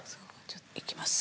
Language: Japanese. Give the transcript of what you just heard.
いきます！